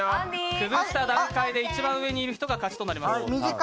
崩した段階で一番上にいる人が勝ちとなります。